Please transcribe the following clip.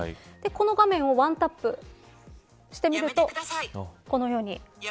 この画面をワンタップしてみると、このように。